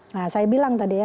nah saya bilang tadi ya